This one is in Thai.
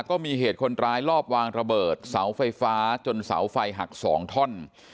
ก็มีเหตุคนร้ายลอบวางระเบิดเสาไฟฟ้าจนเสาไฟหัก๒ท่อน